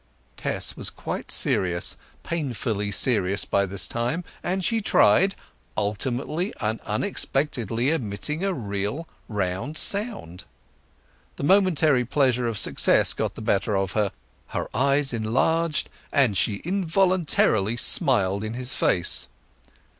Tess was quite serious, painfully serious by this time; and she tried—ultimately and unexpectedly emitting a real round sound. The momentary pleasure of success got the better of her; her eyes enlarged, and she involuntarily smiled in his face.